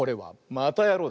またやろう！